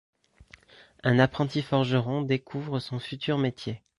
Un apprenti forgeron découvre son futur métier.